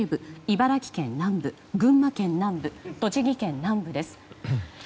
茨城県南部群馬県南部、栃木県南部です。